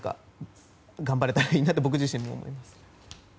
頑張れたらいいなと僕自身も思っています。